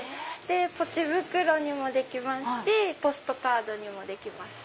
ぽち袋にもできますしポストカードにもできます。